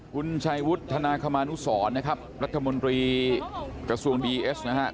คุณชัยวุฒนาคมานุสรนะครับรัฐมนตรีกระทรวงดีเอสนะครับ